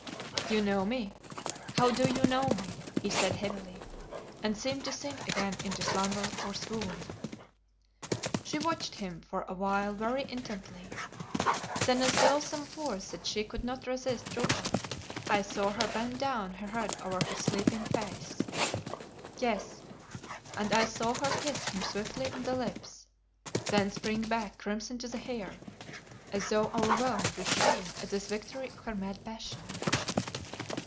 "You know me! How do you know me?" he said heavily, and seemed to sink again into slumber or swoon. She watched him for a while very intently. Then as though some force that she could not resist drew her, I saw her bend down her head over his sleeping face. Yes; and I saw her kiss him swiftly on the lips, then spring back crimson to the hair, as though overwhelmed with shame at this victory of her mad passion.